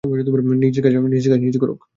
নিজের কাজ নিজে করুক।